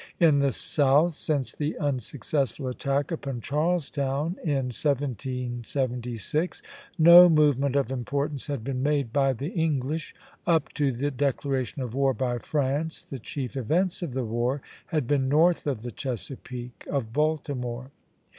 In the South, since the unsuccessful attack upon Charlestown in 1776, no movement of importance had been made by the English; up to the declaration of war by France the chief events of the war had been north of the Chesapeake (of Baltimore).